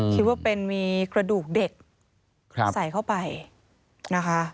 คิดว่าเป็นมีกระดูกเด็กใส่เข้าไปนะคะ